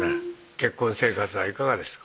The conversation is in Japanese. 結婚生活はいかがですか？